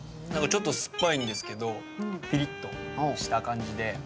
ちょっと酸っぱいんですけどピリッとした感じで。